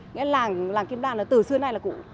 nghĩa là làng kim lan từ xưa nay là cụ